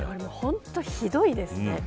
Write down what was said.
本当にひどいですね。